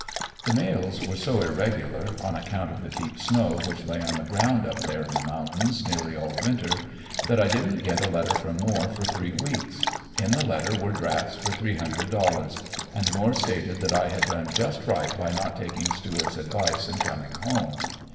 The mails were so irregular, on account of the deep snow which lay on the ground up there in the mountains nearly all winter, that I didn't get a letter from Moore for three weeks. In the letter were drafts for three hundred dollars; and Moore stated that I had done just right by not taking Stuart's advice and coming home.